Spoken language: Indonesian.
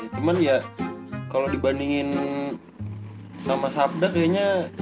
cuman ya kalau dibandingin sama sabda kayaknya